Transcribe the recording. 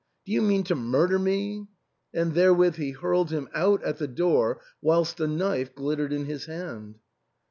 Do you mean to murder me ?" And therewith he hurled him out at the door, whilst a knife glittered in his hand.